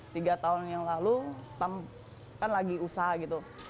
tiga tahun yang lalu kan lagi usaha gitu